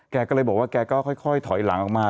แกก็เลยบอกว่าแกก็ค่อยถอยหลังออกมา